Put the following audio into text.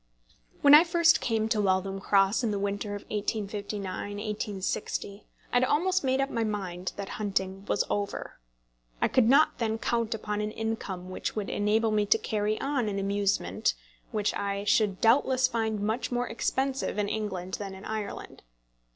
When I first came to Waltham Cross in the winter of 1859 1860, I had almost made up my mind that my hunting was over. I could not then count upon an income which would enable me to carry on an amusement which I should doubtless find much more expensive in England than in Ireland.